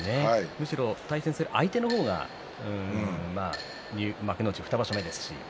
むしろ対戦する相手の方が幕内２場所目ですし。